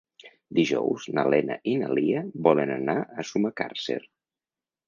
Dijous na Lena i na Lia volen anar a Sumacàrcer.